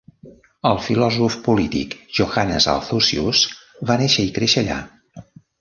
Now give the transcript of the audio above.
El filòsof polític Johannes Althusius va néixer i créixer allà.